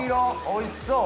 おいしそう！